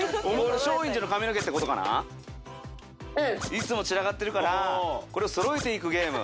いつも散らかってるからこれをそろえていくゲーム。